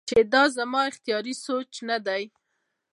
چې دا زما اختياري سوچ نۀ دے